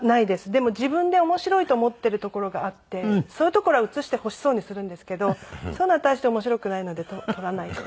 でも自分で面白いと思っているところがあってそういうところは写してほしそうにするんですけどそういうのは大して面白くないので撮らないで。